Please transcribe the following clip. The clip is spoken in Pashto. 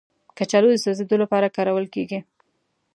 کچالو د سوځیدو لپاره کارول کېږي